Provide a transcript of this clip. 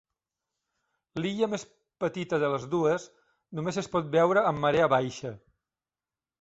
L'illa més petita de les dues només es pot veure amb marea baixa.